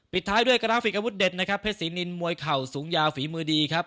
ท้ายด้วยกราฟิกอาวุธเด็ดนะครับเพชรศรีนินมวยเข่าสูงยาวฝีมือดีครับ